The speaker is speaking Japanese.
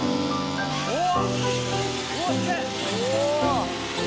・うわ！